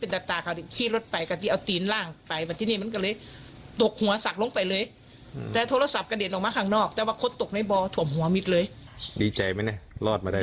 ดีใจไหมนะรอดมาได้